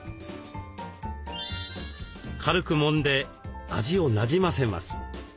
軽くもんで味をなじませます。